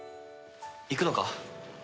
行くのか？